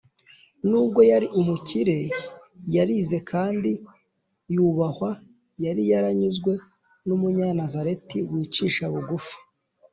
. Nubwo yari umukire, yarize, kandi yubahwa, yari yaranyuzwe n’Umunyanazareti wicisha bugufi